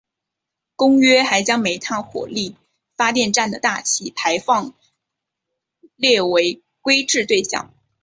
公约还将煤炭火力发电站的大气排放列为规制对象。